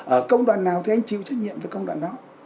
ở công đoàn nào thì anh chịu trách nhiệm với công đoàn đó